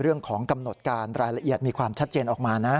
เรื่องของกำหนดการรายละเอียดมีความชัดเจนออกมานะ